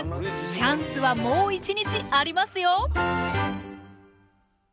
チャンスはもう１日ありますよ！